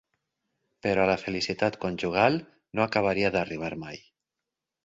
Però la felicitat conjugal no acabaria d'arribar mai.